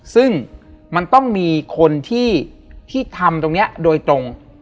ซึ่งมันต้องมีคนที่ทำตรงนี้โดยตรง